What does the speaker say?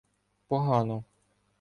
— Погано!